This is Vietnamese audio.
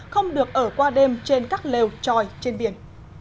không được ở qua đêm trên các lều tròi trên biển